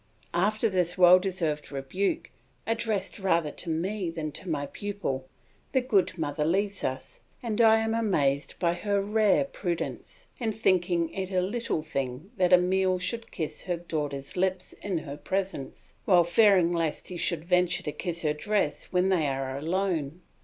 After this well deserved rebuke, addressed rather to me than to my pupil, the good mother leaves us, and I am amazed by her rare prudence, in thinking it a little thing that Emile should kiss her daughter's lips in her presence, while fearing lest he should venture to kiss her dress when they are alone.